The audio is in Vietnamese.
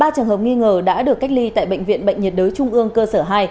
ba trường hợp nghi ngờ đã được cách ly tại bệnh viện bệnh nhiệt đới trung ương cơ sở hai